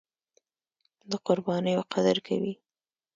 د قربانیو قدر کوي.